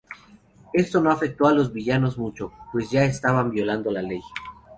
Esto no afectó a los villanos mucho, pues ya estaban violando la ley.